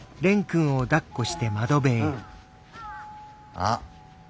あっ。